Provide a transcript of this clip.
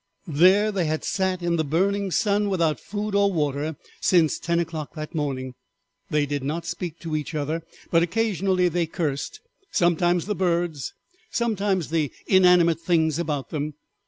There they had sat in the burning sun without food or water since ten o'clock that morning. They did not speak to each other, but occasionally they cursed, sometimes the birds, sometimes the inanimate things about them.